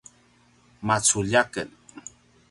maculja aken